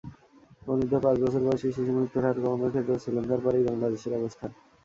অনূর্ধ্ব পাঁচ বছর বয়সী শিশুমৃত্যুর হার কমানোর ক্ষেত্রেও শ্রীলঙ্কার পরেই বাংলাদেশের অবস্থান।